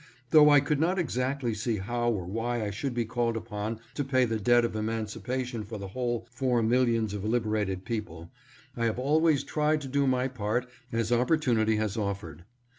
Though I could not exactly see how or why I should be called upon to pay the debt of emancipation for the whole four millions of liberated people, I have always tried to do my part as opportunity has offered.